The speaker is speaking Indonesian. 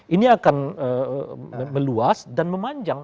ini akan meluas dan memanjang